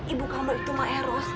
ibu kamu itu maeros